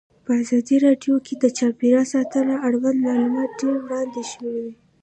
په ازادي راډیو کې د چاپیریال ساتنه اړوند معلومات ډېر وړاندې شوي.